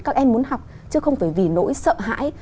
các em muốn học chứ không phải vì nỗi sợ hãi